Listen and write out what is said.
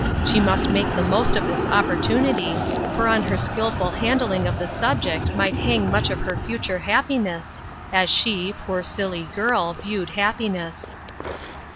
She must make the most of this opportunity, for on her skillful handling of the subject might hang much of her future happiness, as she, poor silly girl, viewed happiness.